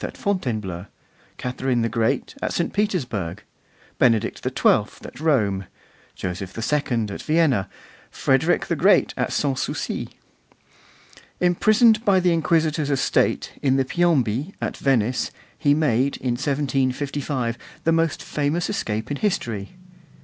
at Fontainebleau, Catherine the Great at St. Petersburg, Benedict XII. at Rome, Joseph II. at Vienna, Frederick the Great at Sans Souci. Imprisoned by the Inquisitors of State in the Piombi at Venice, he made, in 1755, the most famous escape in history.